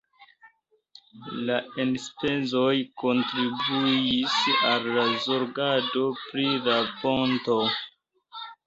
La enspezoj kontribuis al la zorgado pri la ponto.